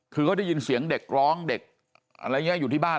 คือเขาได้ยินเสียงเด็กร้องเด็กอะไรอย่างนี้อยู่ที่บ้าน